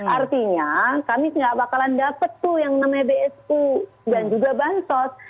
artinya kami tidak akan dapat yang namanya bsu dan juga bansos